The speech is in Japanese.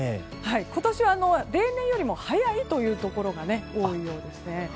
今年は例年よりも早いところが多いようです。